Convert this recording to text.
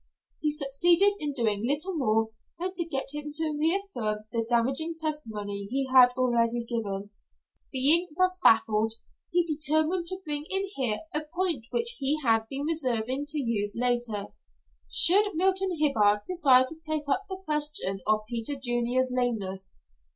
He succeeded in doing little more than to get him to reaffirm the damaging testimony he had already given. Being thus baffled, he determined to bring in here a point which he had been reserving to use later, should Milton Hibbard decide to take up the question of Peter Junior's lameness.